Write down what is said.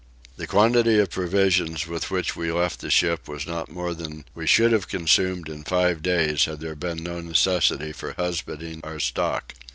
The quantity of provisions with which we left the ship was not more than we should have consumed in five days had there been no necessity for husbanding our stock.